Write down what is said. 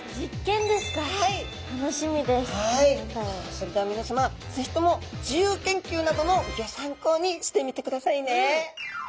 それでは皆さま是非とも自由研究などのギョ参考にしてみてくださいね！